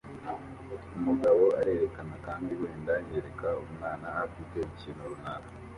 Umugabo arerekana kandi wenda yereka umwana afite ikintu runaka